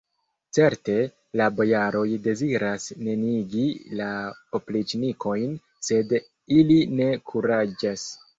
Certe, la bojaroj deziras neniigi la opriĉnikojn, sed ili ne kuraĝas!